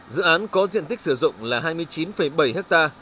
dự án có diện tích sử dụng là hai mươi chín bảy ha